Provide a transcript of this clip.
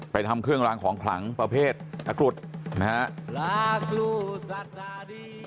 ไปทำเครื่องล้างของขลังประเภทตะกรุษนะฮะ